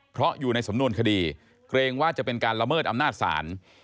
เพราะอยู่ในสำนวนคดีเกรงว่าจะเป็นการละเมิดอำนาจศาล